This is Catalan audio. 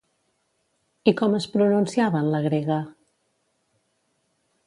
I com es pronunciava en la grega?